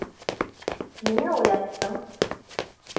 Ниңә уяттың?